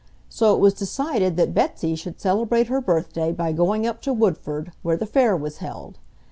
So it was decided that Betsy should celebrate her birthday by going up to Woodford, where the Fair was held.